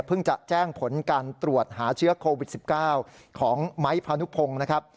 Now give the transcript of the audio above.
จะแจ้งผลการตรวจหาเชื้อโควิด๑๙ของไม้พานุพงศ์นะครับ